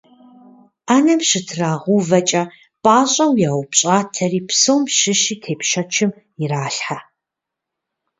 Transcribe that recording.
Ӏэнэм щытрагъэувэкӀэ пӀащӀэу яупщӀатэри, псом щыщи тепщэчым иралъхьэ.